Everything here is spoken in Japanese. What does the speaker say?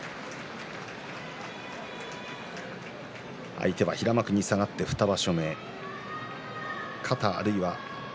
相手は平幕に下がって２場所目御嶽海です。